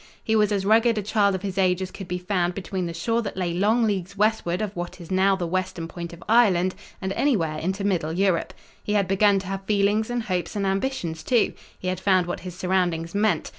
He was as rugged a child of his age as could be found between the shore that lay long leagues westward of what is now the western point of Ireland and anywhere into middle Europe. He had begun to have feelings and hopes and ambitions, too. He had found what his surroundings meant.